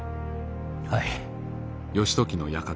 はい。